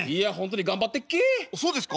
「そうですか？」。